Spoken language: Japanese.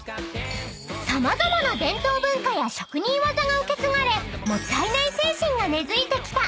［様々な伝統文化や職人技が受け継がれもったいない精神が根付いてきた